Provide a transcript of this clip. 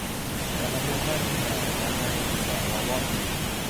kanamuhen na Panay kiza wawa.